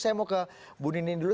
saya mau ke bundi ini dulu